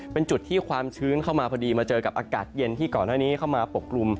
เป็นจุดที่ความชื้นเข้ามาพอดีมาเจอกับอากาศเย็นที่ก่อนหน้านี้เข้ามาปกกลุ่ม